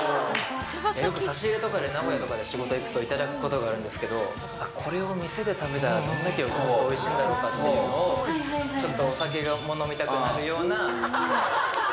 よく差し入れとかで、名古屋とかに仕事で行くと頂くことがあるんですけど、これを店で食べたら、どれだけおいしいんだろうかというのを、ちょっとお酒が飲みたくなるような。